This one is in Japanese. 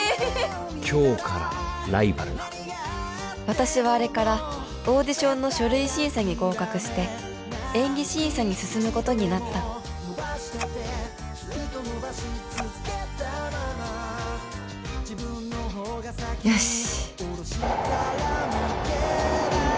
今日からライバルな私はあれからオーディションの書類審査に合格して演技審査に進むことになったよしっ！